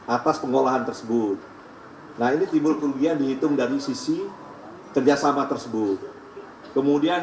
atas pengolahan tersebut nah ini timbul kerugian dihitung dari sisi kerjasama tersebut kemudian